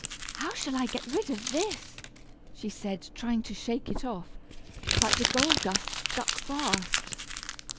"How shall I get rid of this?" she said, trying to shake it off, but the gold dust stuck fast.